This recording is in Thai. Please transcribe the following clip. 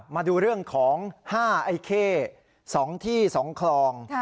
มาดูเรื่องของ๕ไอ้เข้๒ที่๒คลอง